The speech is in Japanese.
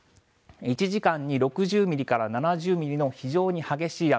１時間に６０ミリから７０ミリの非常に激しい雨。